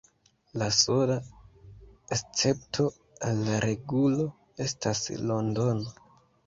La sola escepto al la regulo estas Londono.